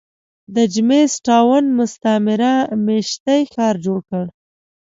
د جېمز ټاون مستعمره مېشتی ښار جوړ کړ.